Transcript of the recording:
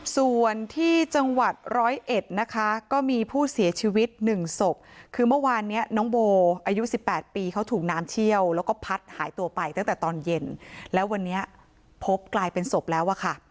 ส่วนที่จังหวัดร้อยเอ็ดนะคะก็มีผู้เสียชีวิตหนึ่งศพคือเมื่อวานนี้น้องโบอายุ๑๘ปีเขาถูกน้ำเชี่ยวแล้วก็พัดหายตัวไปตั้งแต่ตอนเย็นแล้ววันนี้พบกลายเป็นศพแล้วอะค่ะ